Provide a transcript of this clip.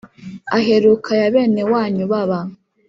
aheruka ya bene wanyu baba